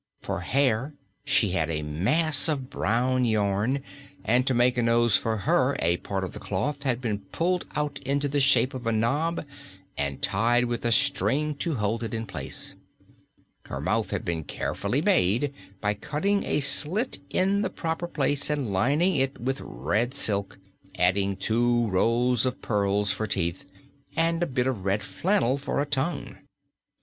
For hair, she had a mass of brown yarn, and to make a nose for her a part of the cloth had been pulled out into the shape of a knob and tied with a string to hold it in place. Her mouth had been carefully made by cutting a slit in the proper place and lining it with red silk, adding two rows of pearls for teeth and a bit of red flannel for a tongue.